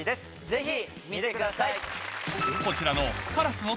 ぜひ見てください。